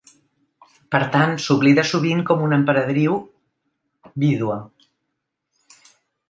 Per tant, s'oblida sovint com una emperadriu vídua.